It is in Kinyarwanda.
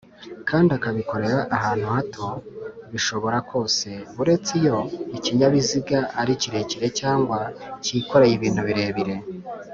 kdi akabikorera ahantu hato bishobora kose buretse iyo ikinyabiziga ari kirekire cg kikoreye ibintu birebire